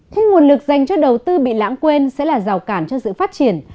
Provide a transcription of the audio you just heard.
thế nguồn lực dành cho đầu tư bị lãng quên sẽ là rào cản cho sự phát triển